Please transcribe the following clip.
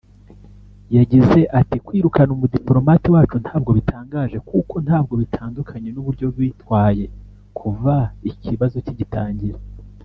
yagize ati “Kwirukana umudipolomate wacu ntabwo bitangaje kuko ntabwo bitandukanye n’ uburyo bwitwaye kuva ikibazo kigitangira